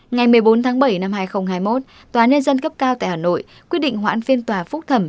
ngày một mươi bốn tháng bảy năm hai nghìn hai mươi một tòa nhân dân cấp cao tại hà nội quyết định hoãn phiên tòa phúc thẩm